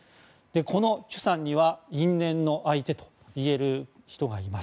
このチュさんには因縁の相手と言える人がいます。